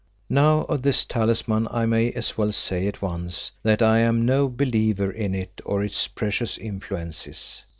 Now of this talisman I may as well say at once that I am no believer in it or its precious influences.